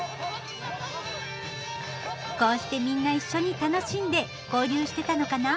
こうしてみんな一緒に楽しんで交流してたのかなあ。